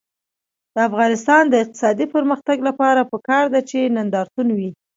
د افغانستان د اقتصادي پرمختګ لپاره پکار ده چې نندارتون وي.